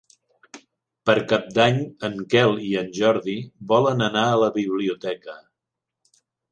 Per Cap d'Any en Quel i en Jordi volen anar a la biblioteca.